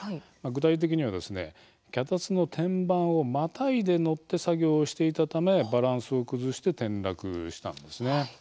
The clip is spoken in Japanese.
具体的には脚立の天板をまたいで乗って作業をしていたためバランスを崩して転落したんです。